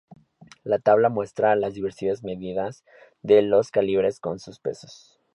La tabla muestra las diversas medidas de los calibres con sus pesos.